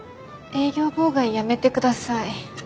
営業妨害やめてください。